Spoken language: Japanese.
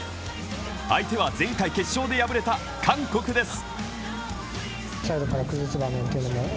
相手は前回決勝で敗れた韓国です。